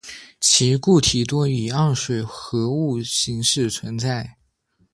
其固体多以二水合物形式存在。